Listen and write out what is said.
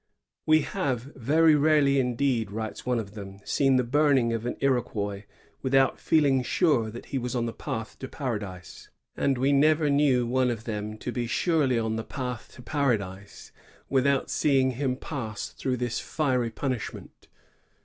"We have very rarely indeed, " writes one of them, "seen the burning of an Iroquois without feeling sure that he was on the path to paradise; and we never knew one of them to be surely on the path to paradise without seeing him pass through this fiery punishment."